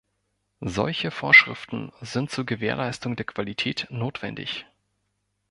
Solche Vorschriften sind zur Gewährleistung der Qualität notwendig.